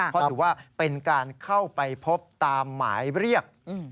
เพราะถือว่าเป็นการเข้าไปพบตามหมายเรียก